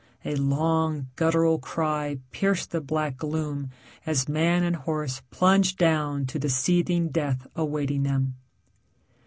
A long, guttural cry pierced the black gloom as man and horse plunged down to the seething death awaiting them.